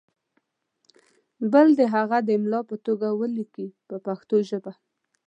بل دې هغه د املا په توګه ولیکي په پښتو ژبه.